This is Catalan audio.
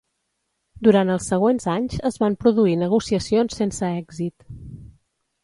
Durant els següents anys es van produir negociacions sense èxit.